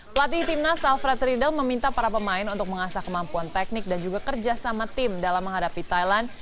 pelatih timnas alfred riedel meminta para pemain untuk mengasah kemampuan teknik dan juga kerjasama tim dalam menghadapi thailand